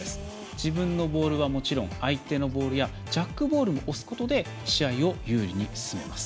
自分のボールはもちろん相手のボールやジャックボールも押すことで試合を有利に進めます。